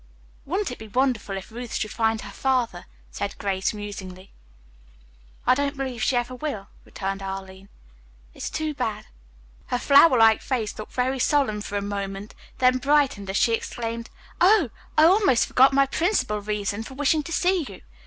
"Wouldn't it be wonderful if Ruth should find her father?" said Grace musingly. "I don't believe she ever will," returned Arline. "It's too bad." Her flower like face looked very solemn for a moment, then brightened as she exclaimed: "Oh, I almost forgot my principal reason for wishing to see you.